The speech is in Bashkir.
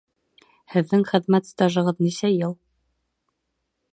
Һеҙҙең хеҙмәт стажығыҙ нисә йыл?